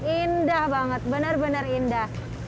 indah banget benar benar indah